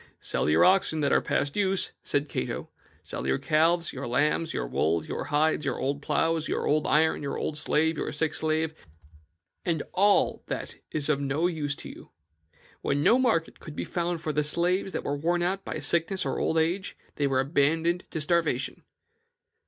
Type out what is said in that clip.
'Sell your oxen that are past use,' said Cato, 'sell your calves, your lambs, your wool, your hides, your old ploughs, your old iron, your old slave, and your sick slave, and all that is of no use to you.' When no market could be found for the slaves that were worn out by sickness or old age, they were abandoned to starvation.